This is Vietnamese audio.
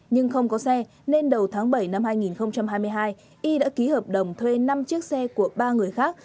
nhưng không có xe nên đầu tháng bảy năm hai nghìn hai mươi hai y đã ký hợp đồng thuê năm chiếc xe của ba người khác